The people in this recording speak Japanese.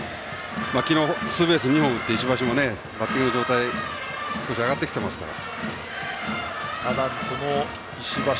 昨日ツーベースを２本打っているので、石橋もバッティングの状態が上がってきていますから。